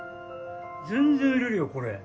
全然売れるよこれ。